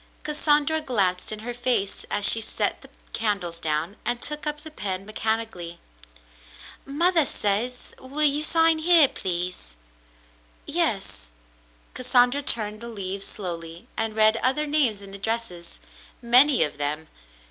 Cassandra glanced in her face as she set the candles down, and took up the pen mechanically. *' Mother says will you sign here, please.'^" "Yes." Cassandra turned the leaves slowly and read other names and addresses — many of them.